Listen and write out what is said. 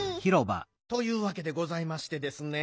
というわけでございましてですね